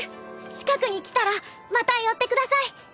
近くに来たらまた寄ってください。